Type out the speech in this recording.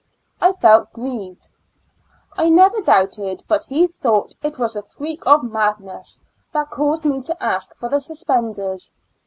I felt grieved ; I never doubted but he thought it was a freak of madness that caused me to ask for the suspenders.